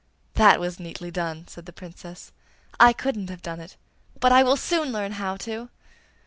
'That was neatly done!' said the Princess. 'I couldn't have done it; but I will soon learn how to!